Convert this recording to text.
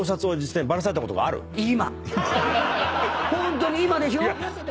ホントに今でしょ。